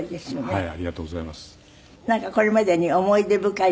はい。